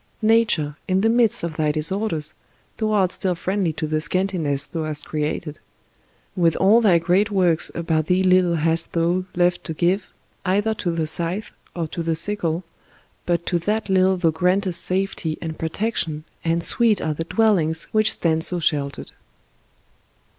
Nature, in the midst of thy disorders, thou art still friendly to the scantiness thou hast created ; with all thy great works about thee little hast thou left to give, either to the scythe or to the sickle, but to that little thou gprantest safety and protection, and sweet are the dwellings which stand so sheltered